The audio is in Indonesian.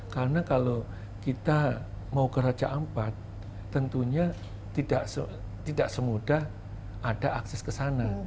karena kalau kita mau ke raja ampat tentunya tidak semudah ada akses ke sana